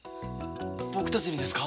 僕たちにですか？